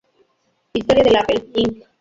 Historia de Apple Inc.